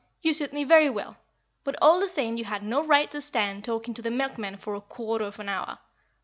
You suit me very well. But all the same you had no right to stand talking to the milkman for a quarter of an hour.